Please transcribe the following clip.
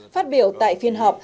phát biểu tại phiên họp